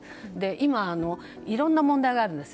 今、いろんな問題があるんです。